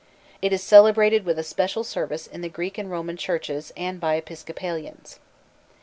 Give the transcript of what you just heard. It is celebrated with a special service in the Greek and Roman churches and by Episcopalians.